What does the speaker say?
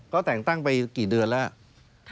ก็แต่งตั้งไปกี่เดือนแล้ว